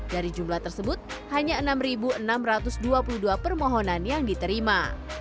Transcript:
dari jumlah tersebut hanya enam enam ratus dua puluh dua permohonan yang diterima